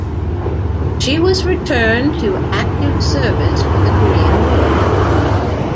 She was returned to active service for the Korean War.